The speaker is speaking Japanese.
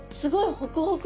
ホクホク！